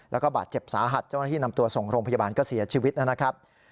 แล้วก็บาดเจ็บสาหัสเจ้าหน้าที่นำตัวส่งโรงพยาบาลก็เสียชีวิตนะครับ